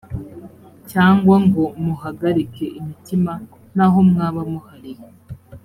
cyangwa ngo muhagarike imitima naho mwaba muhari